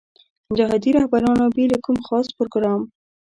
جهادي رهبرانو بې له کوم خاص پروګرام.